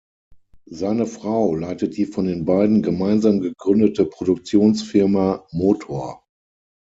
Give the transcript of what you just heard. Seine Frau leitet die von den beiden gemeinsam gegründete Produktionsfirma „Motor“.